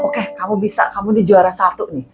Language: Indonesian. oke kamu bisa kamu nih juara satu nih